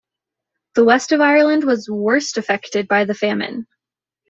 The West of Ireland was worst affected by the famine.